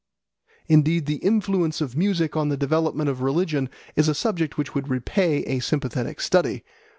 Indeed the influence of music on the development of religion is a subject which would repay a sympathetic study.